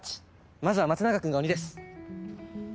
まずは松永君が鬼です。